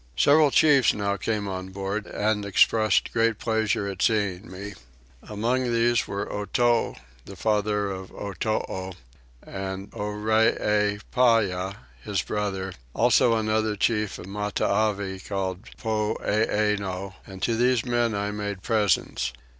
Several chiefs now came on board and expressed great pleasure at seeing me. Among these were Otow, the father of Otoo, and Oreepyah, his brother; also another chief of Matavai called Poeeno: and to these men I made presents.